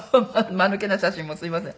間抜けな写真もすみません。